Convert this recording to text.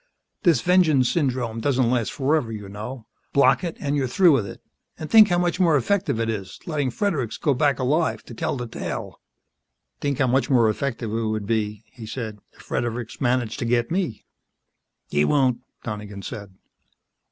"This vengeance syndrome doesn't last forever, you know. Block it, and you're through with it. And think how much more effective it is, letting Fredericks go back alive to tell the tale." "Think how much more effective it would be," he said, "if Fredericks managed to get me." "He won't," Donegan said.